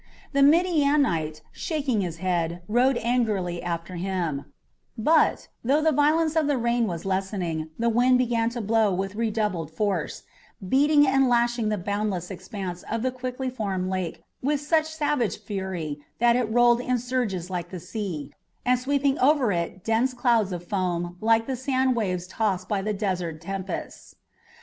The Midianite, shaking his head, rode angrily after him; but, though the violence of the rain was lessening, the wind began to blow with redoubled force, beating and lashing the boundless expanse of the quickly formed lake with such savage fury that it rolled in surges like the sea, and sweeping over it dense clouds of foam like the sand waves tossed by the desert tempests.